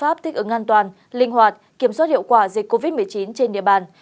các biện pháp tích ứng an toàn linh hoạt kiểm soát hiệu quả dịch covid một mươi chín trên địa bàn